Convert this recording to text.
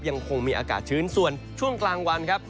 ยังคงมีอากาศชื้นส่วนช่วงกลางวันครับ